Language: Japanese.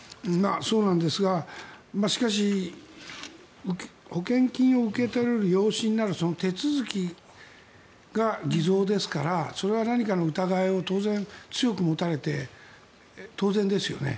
そうなんですがしかし、保険金を受け取れる養子になる手続きが偽造ですからそれは何かの疑いを強く持たれて当然ですよね。